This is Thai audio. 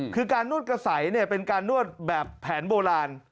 คือการนวดกระใสเป็นการนวดแบบแผนโบราณ